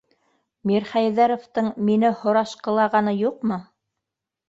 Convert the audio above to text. Мирхәйҙәровтың мине... һорашҡылағаны юҡмы?